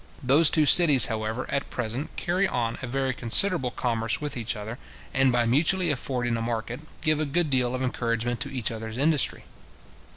Those two cities, however, at present carry on a very considerable commerce with each other, and by mutually affording a market, give a good deal of encouragement to each other's industry.